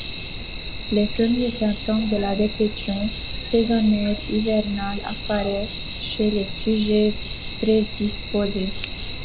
Les premiers symptômes de la dépression saisonnière hivernale apparaissent chez les sujets prédisposés.